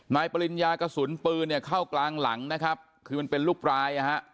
ปริญญากระสุนปืนเนี่ยเข้ากลางหลังนะครับคือมันเป็นลูกปลายนะฮะ